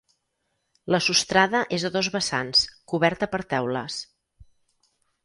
La sostrada és a dos vessants, coberta per teules.